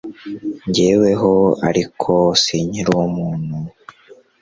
Jyeweho ariko sinkiri umuntu